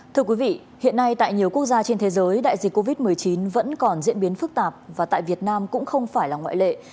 thưa quý vị hiện nay tại nhiều quốc gia trên thế giới đại dịch covid một mươi chín vẫn còn diễn biến phức tạp và tại việt nam cũng không phải là ngoại lệ